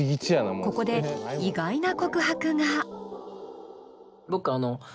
ここで意外な告白が。